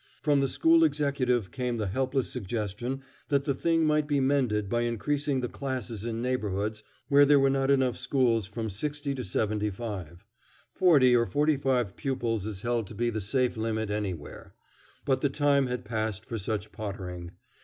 From the school executive came the helpless suggestion that the thing might be mended by increasing the classes in neighborhoods where there were not enough schools from sixty to seventy five. Forty or forty five pupils is held to be the safe limit anywhere. But the time had passed for such pottering.